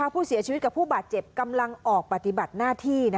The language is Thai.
ผู้เสียชีวิตกับผู้บาดเจ็บกำลังออกปฏิบัติหน้าที่